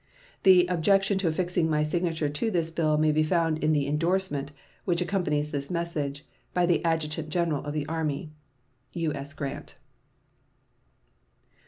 The objection to affixing my signature to this bill may be found in the indorsement (which accompanies this message) by the Adjutant General of the Army. U.S. GRANT.